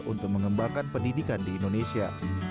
untuk mengembangkan pendidikan di indonesia